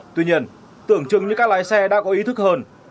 tuy nhiên tưởng chừng như các lái xe đã có ý thức hơn